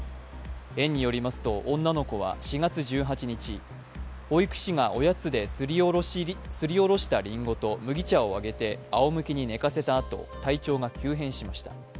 園によりますと女の子は４月１８日、保育士がおやつですり下ろしたりんごと麦茶をあげてあおむけに寝かせたあと体調が急変しました。